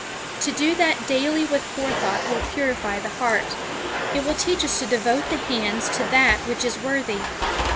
To do that daily with forethought will purify the heart. It will teach us to devote the hands to that which is worthy.